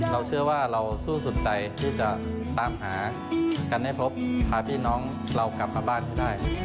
เราเชื่อว่าเราสู้สุดใจที่จะตามหากันให้พบพาพี่น้องเรากลับมาบ้านให้ได้